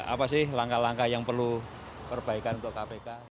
apa sih langkah langkah yang perlu perbaikan untuk kpk